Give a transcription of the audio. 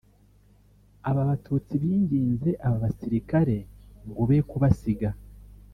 Aba batutsi binginze aba basirikare ngo be kubasiga